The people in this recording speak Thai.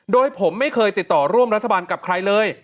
โดยผมไม่เคยติดต่อร่วมรัฐบาลกับใครเลย